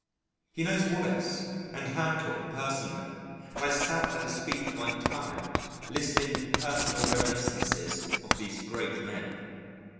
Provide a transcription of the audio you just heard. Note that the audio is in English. He knows Wallace and Haeckel personally, and I sat at his feet with my tongue out listening to personal reminiscences of these great men.